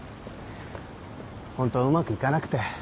ホントはうまくいかなくて。